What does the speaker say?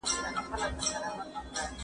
که ښوونکی په مادي ژبه پوه شي تدریس اسانه دی.